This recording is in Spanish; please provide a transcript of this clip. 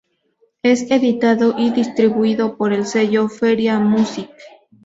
Es editado y distribuido por el sello Feria Music.